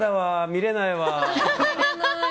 見れないわ。